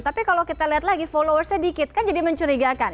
tapi kalau kita lihat lagi followersnya dikit kan jadi mencurigakan